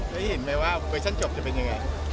เคยเห็นไหมว่าเวอร์ชั่นจบจะเป็นยังไง